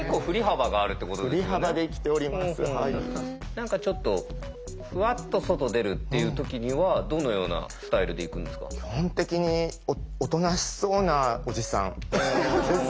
何かちょっとふわっと外出るっていう時にはどのようなスタイルで行くんですか？